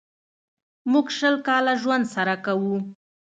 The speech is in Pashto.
موږ شل کاله ژوند سره کوو.